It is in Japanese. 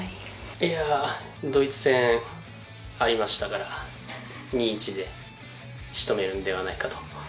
いやあ、ドイツ戦がありましたから、２−１でしとめられるんじゃないかと。